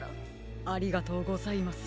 ありがとうございます。